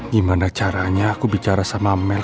gimana caranya aku bicara sama merk